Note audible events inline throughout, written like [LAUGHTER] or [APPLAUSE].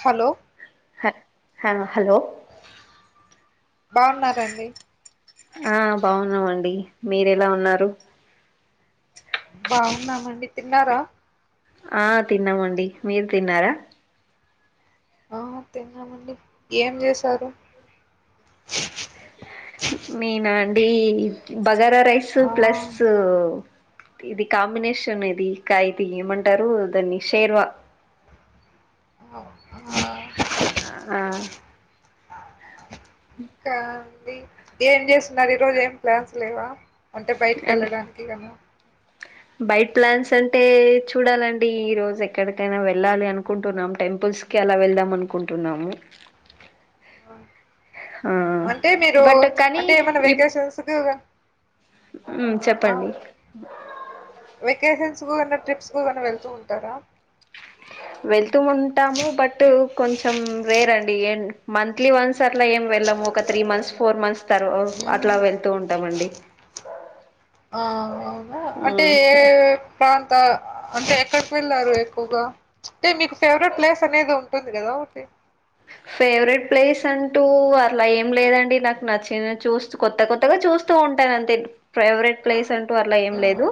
Hello హ hello బాగున్నారండి ఆ బాగున్నామండి మీరు ఎలా ఉన్నారు బాగున్నామండి తిన్నారా ఆ తిన్నామండి మీరు తిన్నారా ఆ తిన్నామండి ఏం చేశారు నేనా అండి బగారా రైస్ ఆ ప్లస్ ఇది కాంబినేషన్ ఇది ఇకా ఇది ఏమంటారు దాన్ని షేర్వా అ ఆ ఆ ఇంకా ఉంది ఏం చేస్తున్నారు ఈరోజు ఏం ప్లాన్స్ లేవా అంటే బయటకి ఎళ్ళడానికి అలా బైట ప్లాన్స్ అంటే చూడాలండి ఈ రోజు ఎక్కడికైనా వెళ్ళాలి అనుకుంటున్నాం టెంపుల్స్ కి అలా వెళ్దాం అనుకుంటున్నాము ఆ అంటే మీరు బట్ కానీ అంటే ఏమన్న వెకేషన్స్కు ఉమ్ చెప్పండి వెకేషన్స్కు అట్ల ట్రిప్స్కు ఏమన్న వెళ్తూ ఉంటారా వెళ్తూ ఉంటాము బట్ కొంచెం రేరండి ఏం మంత్లీ వన్ స్ అట్ల ఏం వెళ్ళము ఒక త్రీ మంత్స్ ఫోర్ మంత్స్ తర్ మ్మ్. అట్లా వెళ్తూ ఉంటామండి ఆ అవును అంటే మ్ ప్రాంత అంటే ఎక్కడికి వెళ్ళారు ఎక్కువగా అంటే మీకు ఫేవరెట్ ప్లేస్ అనేది ఉంటుంది కదా ఒకటి ఫేవరెట్ ప్లేస్ అంటూ అలా ఏం లేదండి నాకు నచ్చిన చూస్ కొత్త కొత్తగా చూస్ తూ ఉంటది అంతే ఫేవరెట్ ప్లేస్ అంటూ అలా ఏం మ్మ్. లేదు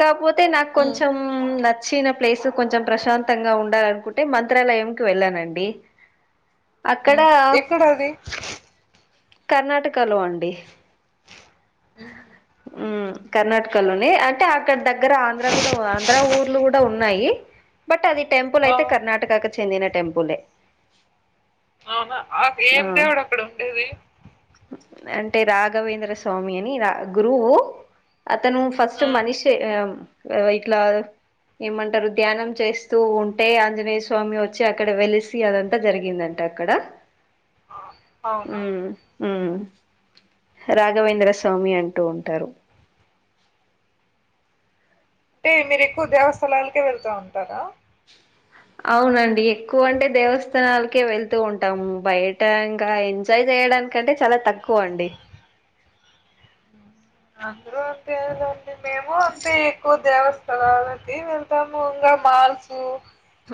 కాపోతే నాకు హ్మ్. కొంచెం ఊమ్ నచ్చిన ప్లేస్ కొంచెం ప్రశాంతంగా ఉండాలనుకుంటే మంత్రాలయంకి వెళ్ళానండి హ్మ్. అక్కడా ఎక్కడది? కర్ణాటకలో అండి ఉంహుం ఉమ్ కర్ణాటకలోనే అంటే అక్కడ దగ్గర ఆంధ్ర కూడా ఆంధ్ర ఊర్లు కూడా ఉన్నాయి బట్ అది టెంపుల్ ఆ! అయితే కర్ణాటకకు చెందిన టెంపులే అవునా ఆ ఏం దేవుడు అక్కడ ఉండేది అంటే రాఘవేంద్ర స్వామి అని రా గురువు అతను ఫస్ట్ హ్మ్. మనిసే ఇట్లా ఏమంటారు ధ్యానం చేస్తూ ఉంటే ఆంజనేయ స్వామి వచ్చి అక్కడ వెలిసి అదంతా జరిగింది ఏందంట అక్కడ హు అవును. హు రాఘవేంద్ర స్వామి అంటూ ఉంటారు అంటే మీరు ఎక్కువ దేవస్థలాలకే వెళ్తా ఉంటారా అవునండి ఎక్కువ అంటే దేవస్థాలలకే వెళ్తూ ఉంటాము బయట ఇంకా ట్రై చేయడానికంటే చాలా తక్కువ అండి అందరూ అంతేలెండి మేము అంతే ఎక్కువ దేవస్థలాలకి వెళ్తాము ఇంకా మాల్స్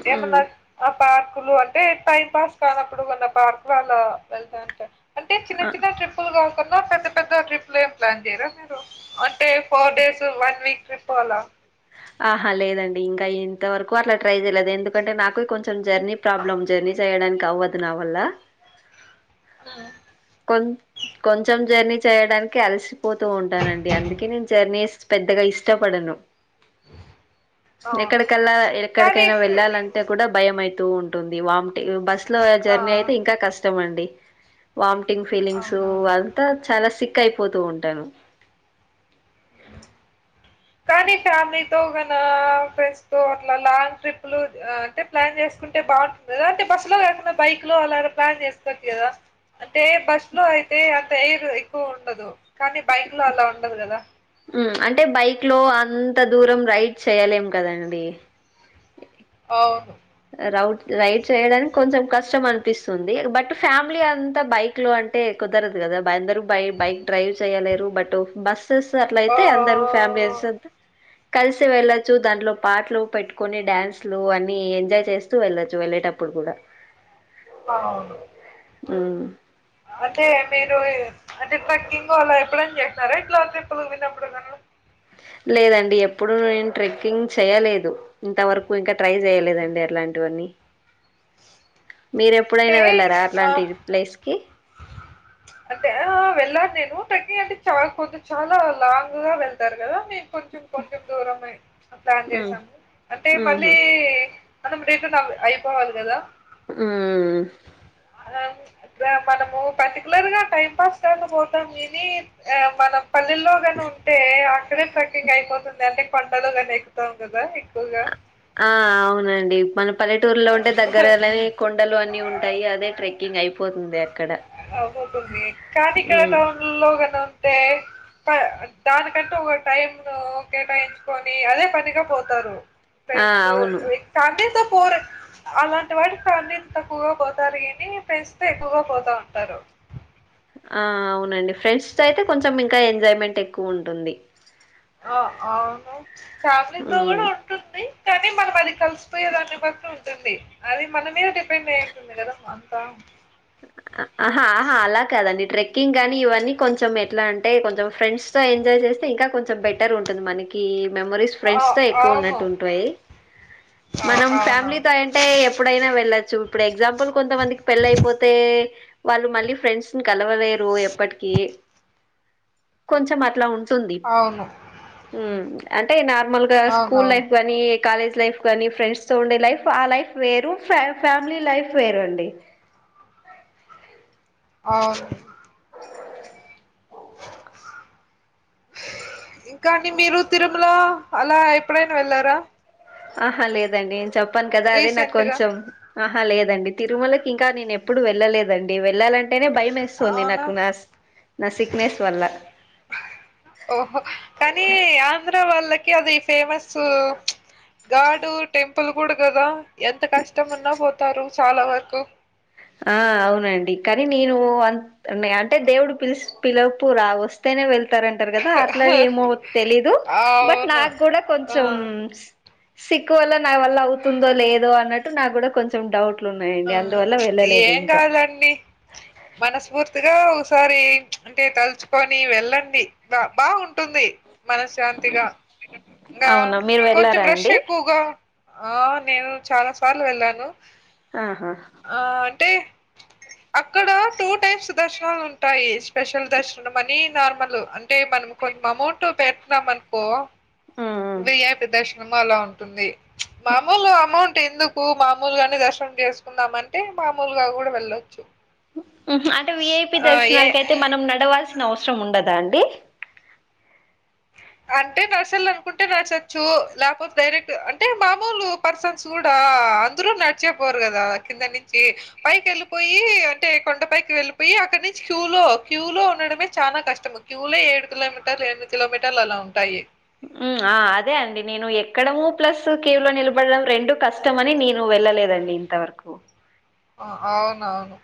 హ్మ్ ఏమన్నా ఆ పార్కులు అంటే టైమ్ పాస్ కానప్పుడు కొన్న పార్కులు అలా వెళ్తాంటే అంటే చిన్న ఆ చిన్న ట్రిప్పులు కాకున్నా పెద్ద పెద్ద ట్రిప్పులు ఏం ప్లాన్ చేయరా అంటే four days one week trip అలా ఆహా లేదండి ఇంకా ఇంతవరకు అట్లా ట్రై చేయలేదు ఎందుకంటే నాకు కొంచెం జర్నీ ప్రాబ్లమ్ జర్నీ చేయడానికి అవ్వదు నా వల్ల హు కొ [UNINTELLIGIBLE] కొంచెం జర్నీ చేయడానికె అలసిపోతూ ఉంటానండి అందుకే నేను జర్నీస్ పెద్దగా ఇష్టపడను అవును ఎక్కడికెలా కానీ ఎక్కడికైనా వెళ్ళాల అంటే కూడా భయం అయితూ ఉంటుంది వాంథింగ్ బస్ లో ఆ జర్నీ అయితే ఇంకా కష్టం అండి వామిటింగ్ ఫీలింగ్స్ అవునవును అంతా చాలా సిక్ అయిపోతూ ఉంటాను కానీ ఫ్యామిలీతో గన ఫ్రెండ్స్ తో అట్లా లాంగ్ ట్రిప్లు అంటే ప్లాన్ చేసుకుంటే బాగుంటుంది కదా అంటే బస్సు లో కాకుండా బైక్ లో అలాగ ప్లాన్ చేసుకోచ్చు కదా అంటే బస్ లో అయితే అంత ఎయిర్ ఎక్కువ ఉండదు కానీ బైక్ లో అలా ఉండదు కదా హుమ్ అంటే బైక్ లో అంత దూరం రైడ్ చేయలేం కదండి హా రౌడ్ రైడ్ చేయడానికి కొంచెం కష్టం అనిపిస్తుంది బట్ ఫ్యామిలీ అంతా బైక్ లో అంటే కుదరదు కదా అందరు బైక్ డ్రైవ్ చేయలేరు బట్ బస్ అట్ల ఓ అయితే అందరు ఫ్యామిలీ వస్తారు కలిసి వెళ్ళొచ్చు దాంట్లో పాటలు పెట్టుకోని డాన్స్ లు అన్ని ఎంజాయ్ తెస్తూ వెళ్ళొచ్చు వెళ్ళేటప్పుడు కూడా అవును మ్ అంటే మీరు అంటే ట్రెక్కింగ్ అలా అప్లై చేస్తార ఇట్లా ట్రిపులు విన్నప్పుడు కను లేదండి ఎప్పుడు నేను ట్రిక్కింగ్ చేయలేదు ఇంతవరకు ఇంకా ట్రై చేయలేదండి అట్లాంటివివన్నీ మీరె అంటే ఎప్పుడైనా వెళ్ళారా ఆ అట్లాంటి ప్లేస్ కి ఆ వెళ్ళను నేను ట్రెక్కింగ్ అంటే కొద్ది చాలా లాంగ్ గా వెళ్తారు కదా నే కొంచెం కొంచెం దూరమై ప్లాన్ ఉమ్ చేసాము అంటే ఉహు మళ్ళీ అంతమ రేతే [UNINTELLIGIBLE] అయిపోవాలి కదా హుమ్ మనము పర్టికులర్గా టైమ్ పాస్ కాకపోతాం కాని మనం పనిల్లో కానే ఉంటే అక్కడే ట్రెక్కింగ్ అయిపోతుంది అని పంటలుగానీ ఎక్కుతాం కదా ఎక్కువగా ఆ అవునండి మన పల్లె టూరులో ఉంటే దగ్గర అనే కొండలు అన్ని ఉంటాయి అదే ట్రెక్కింగ్ అయిపోతుంది అక్కడ కానీ ఇక్కడ ఉమ్ టౌన్ లో కదా ఉండే దానికంటు ఒక టైమ్ ను కేటాయించుకొని అదే పనిగా పోతారు ఆ ఫ్రెండ్స్ అవును లైక్ ఫ్యామిలీతో పోరు అలాంటి వాడు ఫ్యామిలీస్ తో తక్కువగా పోతారు కాని ఫ్రెండ్స్ తో ఎక్కువగా పోతా ఉంటారు ఆ అవునండి ఫ్రెండ్స్ త అయితే కొంచెం ఇంకా ఎంజాయ్మెంట్ ఎక్కువ ఉంటుంది ఆ అవునూ ఫ్యామిలీ తో కూడా ఉమ్ ఉ ఉంటుంది కానీ మనం అది కలిసిపోయే దాన్ని బట్టి ఉంటుంది అది మన మీద డిపెండ్ అయ్యి ఉంటుంది కదా అంతా ఆహా ఆహా అలా కాదండి ట్రెక్కింగ్ కాగానీ ఇవన్నీ కొంచెం ఎట్లా అంటే కొంచెం ఫ్రెండ్స్ సో ఎంజాయ్ చేస్తే ఇంకా కొంచెం బెటర్ ఉంటుంది మనకి మెమరీస్ ఆ, ఫ్రెండ్స్ తో ఎక్కువ అవును ఉన్నట్టు ఉంటాయి ఆ, మనం అవునవును ఫ్యామిలీతో ఏ అంటే ఎప్పుడైనా వెళ్ళొచ్చు ఇప్పుడు ఎగ్జాంపుల్ కొంతమందికి పెళ్ళ అయిపోతే వాళ్ళు మళ్ళీ ఫ్రెండ్స్ కలవలేరు ఎప్పటికి కొంచెం అట్లా ఉంట టుంది అవును అంటే నార్మల్ గా స్కూల్ అవునవును లైఫ్ కానీ కాలేజ్ లైఫ్ కానీ ఫ్రెండ్స్ తో ఉండే లైఫ్ ఆ లైఫ్ వేరు ఫ్యామిలీ లైఫ్ వేరు అండి అవునూ ఇంకాని మీరు తిరుమల అలా ఎప్పుడైనా వెళ్లారా ఆహా లేదండి నేను చెప్పాను కదా అదే నాకు రీసెంట్గా కొంచెం ఆహా లేదండి తిరుమలకి ఇంకా నేను ఎప్పుడు వెళ్ళలేదండి వెళ్ళాలంటే అంటేనే భయం వేస్తుంది అవునా నాకు నా నా సిక్నెస్ వల్ల ఓహో కానీ ఆంధ్ర వాళ్ళకి అది ఫేమస్ గాడు టెంపుల్ కూడా కదా ఎంత కష్టం ఉన్నా పోతారు చాలా వరకు ఆ అవునండి కానీ నేను అన్ న్నా అంటే దేవుడు పిలు పిలపు రా వస్తేనే వెళ్తు తారంటారు కదా అట్లా ఏమో తెలీదు బట్ అవును నాకు కూడా ఆ కొంచెం సిక్ వల్ల నా వల్ల అవుతుందో లేదో అన్నట్టు నాకు కూడా కొంచెం డౌట్లు ఆ ఉన్నాయండి అందువల్ల వెళ్ళలేదు ఏం ఇంకా కాదండి మనస్ఫూర్తిగా ఒకసారి అంటే తలుచుకొని వెళ్ళండి బ బాగుంటుంది మనశ్శాంతిగా ఇంకా అవునా మీరు కొంచెం వెళ్ళారా రష్ అండి ఎక్కువగా ఆ నేను చాలా సార్లు వెళ్ళాను ఆహా ఆ అంటే అక్కడ టూ టైప్స్ దర్శనాలు ఉంటాయి స్పెషల్ దర్శనం అని నార్మల్ అంటే మనం కొంచం అమౌంట్ పెతునాం అనుకో ఉమ్ ఉమ్ బయాపి దర్శనము అలా ఉంటుంది మామూలు అమౌంట్ ఎందుకు మామూలుగానే దర్శనం చేసుకుందామ అంటే మామూలుగా కూడా వెళ్ళొచ్చు అంటే విఐపి ఆ ఏ దర్శనాలక అయితే మనం నడవాల్సిన అవసరం ఉండదా అండి అంటే నర్సలు అనుకుంటే నర్సచ్చు లేకపోతే డైరెక్ట్ అంటే మామూలు పర్సన్స్ కూడా అందరు నడిచేపోరు కదా కింద నుంచి పైకి వెళ్ళిపోయి అంటే కొండపైకి వెళ్లిపోయి అక్కడ నుంచి క్యూ లో క్యూ లో ఉండడమే చాలా కష్టం క్యూలే ఏడు కిలోమీటర్లు ఎనిమిది కిలోమీటర్లు అలా ఉంటాయి ఆ అదే అండి నేను ఎక్కడము ప్లస్ క్యూ లో నిలబడడం రెండు కష్టం కష్టమని నేను వెళ్ళలేదండి ఇంతవరకు అవునవును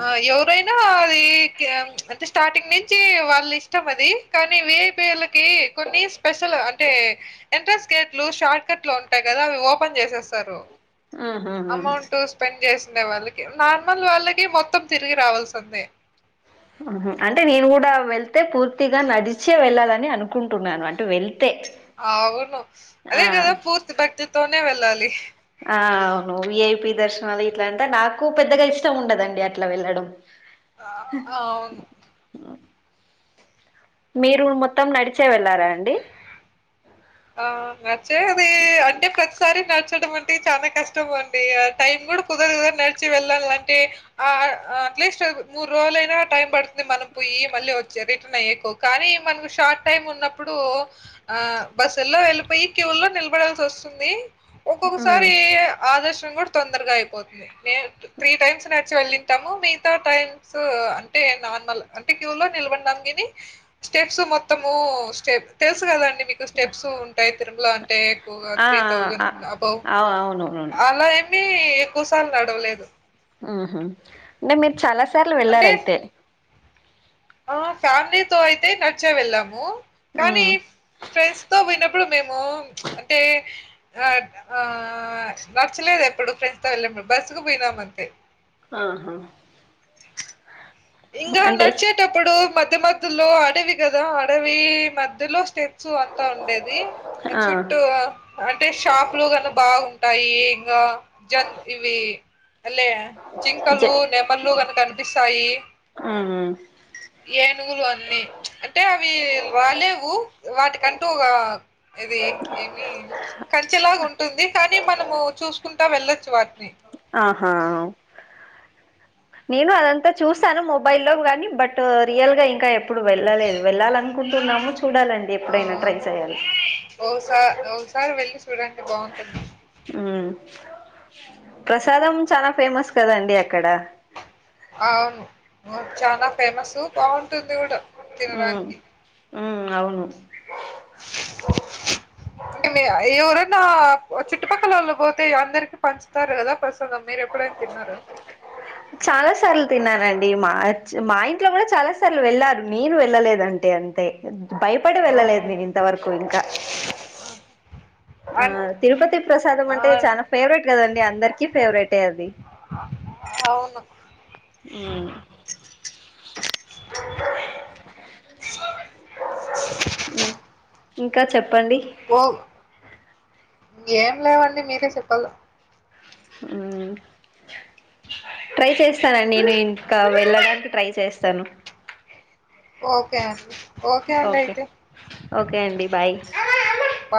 ఆ ఎవరైనా అది కి ఆ అంటే స్టార్టింగ్ నుంచి వాళ్ళ ఇష్టం అది కానీ వి ఐ పి ఓలకి కొన్ని స్పెషల్ అంటే ఎంట్రన్స్ గేట్లు షార్ట్ కట్లు ఉంటాయి కదా అవి ఓపెన్ చేసేస్తారు. ఆహాహా అమౌంట్ స్పెండ్ చేస్ ఉండే వాళ్ళకి, నార్మల్ వాళ్ళకి మొత్తం తిరిగి రావాల్సి ఉంది. అంటే నేను కూడా వెళ్తే పూర్తిగా నడిచే వెళ్ళాలని అనుకుంటున్నాను అంటే వెళ్తే. అవును ఆ అదే కదా పూర్తి భక్తితోనే వెళ్ళాలి. ఆ అవును విఐపి దర్శనాలు ఇట్లాంట నాకు పెద్దగా ఇష్టం ఉండదండి అట్లా వెళ్లడం. అ అవును. మీరు మొత్తం నడిచే వెళ్ళారా అండి? ఆ నడ్చేది అంటే ప్రతిసారి నడచడం అంటే చానా కష్టం అ ండి టైమ్ కూడా కుదరదు నడిచి వెళ్ళాలంటే ఆ అట్లీస్ట్ మూడు రోజులైనా టైం పడుతుంది మనం పొయ్యి మళ్ళీ వచ్చే రిటర్న్ అయ్యేకు. కానీ మనకు షార్ట్ టైమ్ ఉన్నప్పుడు ఆ బస్సుల్లో వెళ్ళిపోయి క్యూల్లో నిలబడాల్సి వస్తుంది ఉమ్ ఒక్కొక్కసారి ఆదర్శనం కూడా తొందరగా అయిపోతుంది, మేం త్రీ టైమ్స్ నడిచి వెళ్ళింటాము మిగితా టైం సో అంటే నార్మల్ అంటే క్యూ లో నిలబడినాం కని స్టెప్స్ మొత్తము స్టెప్ తెలుసు కదండి మీకు స్టెప్స్ ఉంటయి తిరుమలా అంటే ఎక్కువగా ఆ త్రీ ఆ థౌజండ్ అబౌవ్ ఆ అవునవునవును అలా ఎం కనీ ఎక్కువ సార్లు నడవలేదు. ఉహ్ అంటే మీరు చాలా సార్లు వెళ్లారయితే. ఆ ఫ్యామిలీతో అయితే నడిచే వెళ్ళాము కానీ ఉమ్ ఫ్రెండ్స్తో పోయినప్పుడు మేము అంటే ఆ ఆ నడ్చలేదు ఎప్పుడు ఫ్రెండ్స్తో వెళ్ళాం బస్సుకు పోయినాము అంతే. ఆహా అంటే అంటే అప్పుడు మధ్య మధ్యలో అడవి కదా అడవి మధ్యలో స్టే సో అంతా ఉండేది ఆ చుట్టూ అంటే షాప్లు గానీ బాగుంటాయి ఇంగా జన్ ఇవి అ లే జింకలు, నెమళ్లు గని కనిపిస్తాయి. ఆ [INAUDIBLE] ఏనుగులు అన్ని అంటే అవి రాలేవు, వాటికంటూ ఒక ఎది ఏమి కంచెలాగా ఉం టుంది కానీ మనము చూసుకుంటా వెళ్ళొచ్చు వాటిని. ఆహా నేను అదంతా చూసాను మొబైల్లో గానీ బట్ రియల్గా ఇంకా ఎ ప్పుడు వెళ్ళలేదు, వెళ్ళాలనుకుంటున్నాము చూడాలండి ఎప్పుడైనా ట్రై చేయాల. ఓసా ఓసారి వెళ్ళి చూడండి బావుంటుంది. ప్రసాదం చానా ఫేమస్ కదండి అక్కడ. అవును చానా ఫేమస్ బావుంటుంది కూడా. ఉ ఉ అవును. [UNINTELLIGIBLE] అంటే మే ఎవరన్నా చుట్టుపక్కలోళ్ళు పోతే అందరికి పంచుతరు కదా ప్రసాదం మీరు ఎప్పుడైనా తిన్నరా? చాలా సార్లు తిన్నానండి మా మా ఇంట్లో కూడా చాలా సార్లు వెళ్ళారు నేను వెళ్ళలేదంటే అంతే భయపడి ఆ! వెళ్ళలేదు నేను ఇంతవరకు ఇంకా ఆ అన్ తిరుపతి ప్రసాదం అంటే అన్ చాలా ఫేవరెట్ కదండి అందరికీ ఫేవరెటే అది అవును ఉం [UNINTELLIGIBLE] ఉం ఇంకా చెప్పండి పో ఇంగేం లేదండి మీరే చెప్పాల ఉం ట్రై చేస్తా నండి నేను ఇంకా వెళ్ళడానికి ట్రై చేస్తాను ఓకే అండి అండి ఓకే అయితే. ఓకే అండి బాయ్ బా